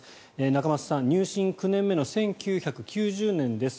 仲正さん、入信９年目の１９９０年です。